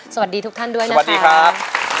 สวัสดีทุกท่านด้วยนะคะสวัสดีครับ